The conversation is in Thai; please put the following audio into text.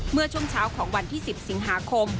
เมื่อช่วงเช้าของวันที่๑๐สิงหาคม